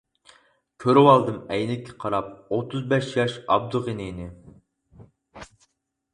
كۆرۈۋالدىم ئەينەككە قاراپ، ئوتتۇز بەش ياش ئابدۇغېنىنى.